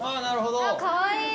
なるほど。